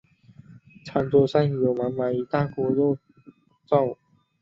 餐桌上有满满一大锅肉燥